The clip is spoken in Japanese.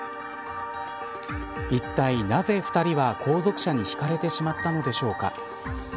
いったい、なぜ２人は後続車にひかれてしまったのでしょうか。